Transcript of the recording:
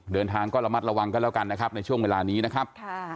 เดินทางก็ระมัดระวังกันแล้วกันนะครับในช่วงเวลานี้นะครับ